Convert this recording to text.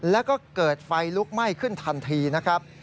แล้วก็เกิดไฟลุกไหม้ขึ้นทันทีนะครับ